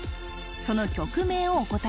その曲名をお答え